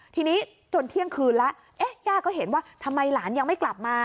ทีนี้จนเที่ยงคืนแล้วย่าก็เห็นว่าทำไมหลานยังไม่กลับมา